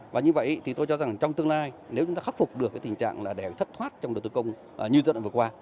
và như vậy thì tôi cho rằng trong tương lai nếu chúng ta khắc phục được tình trạng là thất thoát trong đầu tư công như giai đoạn vừa qua